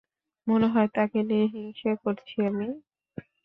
মনে হয় তাকে নিয়ে হিংসে করছি আমি!